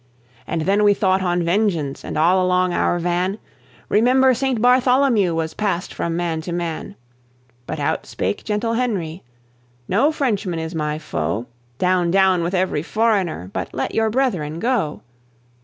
And then we thought on vengeance, and, all along our van, "Remember St. Bartholomew!" was passed from man to man. But out spake gentle Henry, "No Frenchman is my foe: Down, down with every foreigner, but let your brethren go."